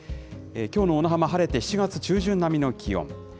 きょうの小名浜、晴れて７月中旬並みの気温。